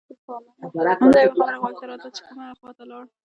همدا یوه خبره غوږ ته راتله چې کومه خوا لاړل.